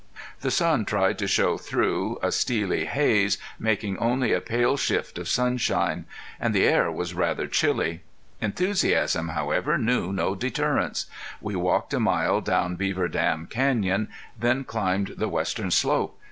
The sun tried to show through a steely haze, making only a pale shift of sunshine. And the air was rather chilly. Enthusiasm, however, knew no deterrents. We walked a mile down Beaver Dam Canyon, then climbed the western slope.